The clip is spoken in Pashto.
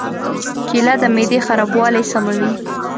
کېله د معدې خرابوالی سموي.